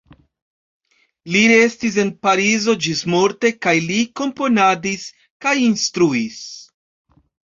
Li restis en Parizo ĝismorte kaj li komponadis kaj instruis.